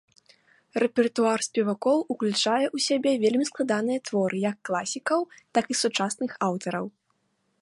Рэпертуар спевакоў ўключае ў сябе вельмі складаныя творы як класікаў, так і сучасных аўтараў.